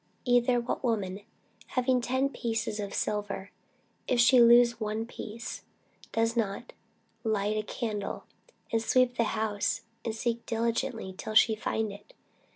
Either what woman having ten pieces of silver, if she lose one piece, doth not light a candle, and sweep the house, and seek diligently till she find it?